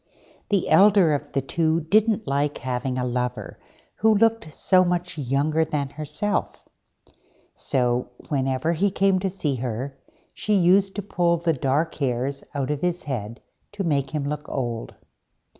The elder of the two didn't like having a lover who looked so much younger than herself; so, whenever he came to see her, she used to pull the dark hairs out of his head to make him look old.